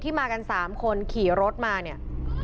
มากัน๓คนขี่รถมาเนี่ย